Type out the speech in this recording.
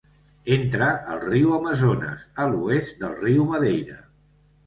Entra al riu Amazones a l’oest del riu Madeira.